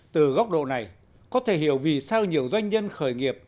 từ góc độ này có thể hiểu vì sao nhiều doanh nhân khởi nghiệp